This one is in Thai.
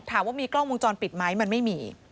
ถามว่ามีกล้องวงจรปิดไหมมันไม่มี